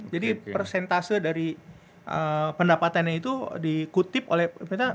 jadi persentase dari pendapatannya itu dikutip oleh pemerintah